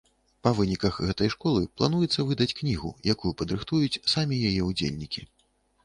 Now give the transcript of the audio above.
Па выніках гэтай школы плануецца выдаць кнігу, якую падрыхтуюць самі яе ўдзельнікі.